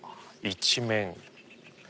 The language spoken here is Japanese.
一面。